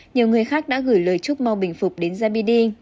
nhiều người khác đã gửi lời chúc mau bình phục đến zabid